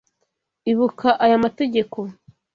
Ibuka aya mategeko.